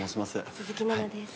鈴木奈々です。